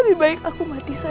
lebih baik aku mati saya